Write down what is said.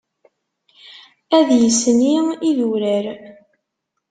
Ad yesni idurar.